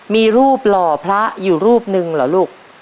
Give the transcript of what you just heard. มีรูปหล่อพระอยู่รูปหนึ่งเหรอลูก